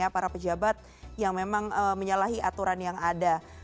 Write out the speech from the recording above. para pejabat yang memang menyalahi aturan yang ada